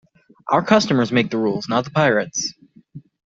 Our customers make the rules, not the pirates.